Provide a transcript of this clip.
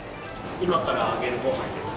今からあげるご飯です。